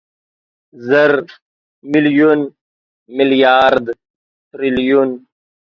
زر، ميليون، ميليارد، تریلیون